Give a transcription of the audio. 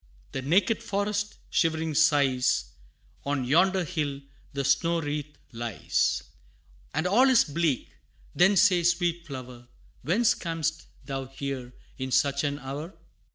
The naked forest Shivering sighs, On yonder hill The snow wreath lies, And all is bleak Then say, sweet flower, Whence cam'st thou here In such an hour?